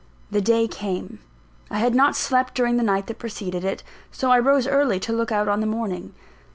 The day came. I had not slept during the night that preceded it; so I rose early to look out on the morning.